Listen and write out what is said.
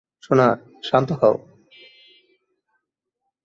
সোনা, শান্ত হও।